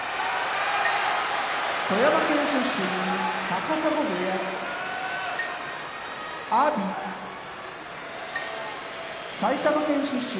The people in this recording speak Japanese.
富山県出身高砂部屋阿炎埼玉県出身